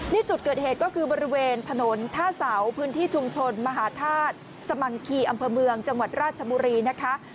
นี่จุดเกิดเหตุก็คือบริเวณถนนท่าเสาพื้นที่ชุมชนมหาธาตุสมังคีอำเภอเมืองจังหวัดราชบุรีนะคะ